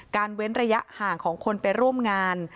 เว้นระยะห่างของคนไปร่วมงาน